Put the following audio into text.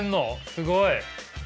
すごい！